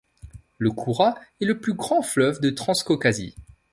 La Koura est le plus grand fleuve de Transcaucasie.